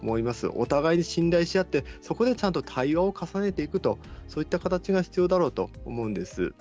お互いに信頼し合って対話を重ねていく、そういった形が必要だろうと思うんです。